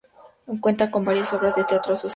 Cuenta con varias obras de teatro a sus espaldas.